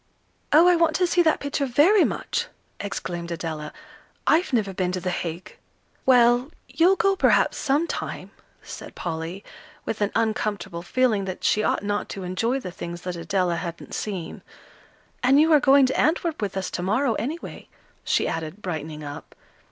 "Oh, I want to see that picture very much!" exclaimed Adela. "I've never been to The Hague." "Well, you'll go, perhaps, sometime," said Polly, with an uncomfortable feeling that she ought not to enjoy the things that Adela hadn't seen. "And you are going to Antwerp with us to morrow, anyway," she added, brightening up.